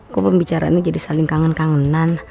kok pembicaraannya jadi saling kangen kangenan